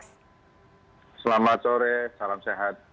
selamat sore salam sehat